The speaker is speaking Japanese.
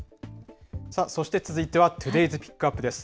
そして続いてはトゥデイズ・ピックアップです。